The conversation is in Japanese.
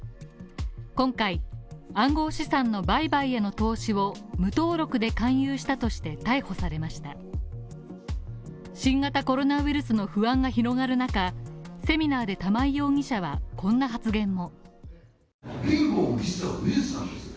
今回、暗号資産の売買への投資を無登録で勧誘したとして逮捕されました新型コロナウイルスの不安が広がる中、セミナーで玉井容疑者はこんな発言も。